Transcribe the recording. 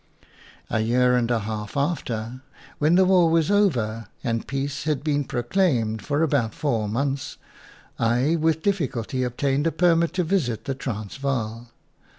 "A year and a half after, when the war was over and peace had been pro claimed for about four months, I with difficulty obtained a permit to visit the Transvaal.